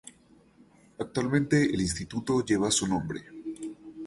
Actualmente, el Instituto lleva su nombre.